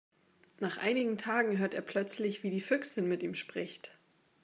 Nach einigen Tagen hört er plötzlich, wie die Füchsin mit ihm spricht.